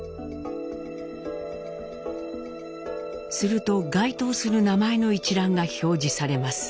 すると該当する名前の一覧が表示されます。